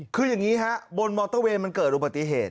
คือยังงี้ครับบนมอเตอร์เวรมันเกิดอุปติเหตุ